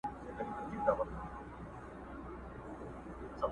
ژوند له دې انګار سره پیوند لري،